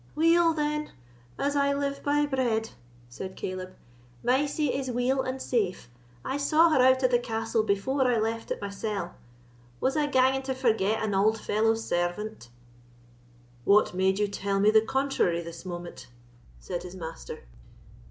"Weel, then, as I live by bread," said Caleb, "Mysie is weel and safe. I saw her out of the castle before I left it mysell. Was I ganging to forget an auld fellow servant?" "What made you tell me the contrary this moment?" said his master.